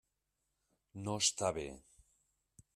No està bé.